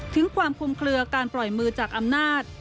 ถึงความคุมเคลือการปล่อยมือจากอำนาจ